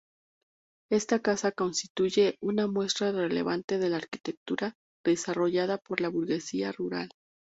Esta casa constituye una muestra relevante de la arquitectura desarrollada por la burguesía rural.